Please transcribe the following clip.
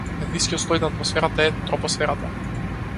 Најнискиот слој на атмосферата е тропосферата.